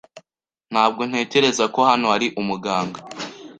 Ntabwo ntekereza ko hano hari umuganga.